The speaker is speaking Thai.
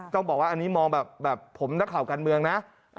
ต้องบอกว่าอันนี้มองแบบผมนักข่าวการเมืองนะ